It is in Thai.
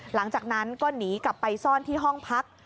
หลังจากนั้นก็หนีกลับไปซ่อนที่ห้องพัก